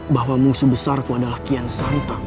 bahwa musuh besarku adalah kian santang